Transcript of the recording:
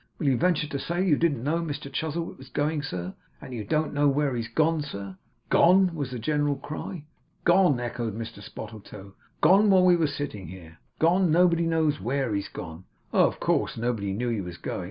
Will you venture to say that you didn't know Mr Chuzzlewit was going, sir, and that you don't know he's gone, sir?' 'Gone!' was the general cry. 'Gone,' echoed Mr Spottletoe. 'Gone while we were sitting here. Gone. Nobody knows where he's gone. Oh, of course not! Nobody knew he was going.